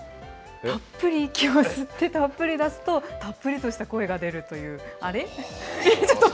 たっぷり息を吸って、たっぷり出すと、たっぷりとした声が出るという、あれ？